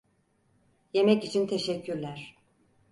Yemek için teşekkürler.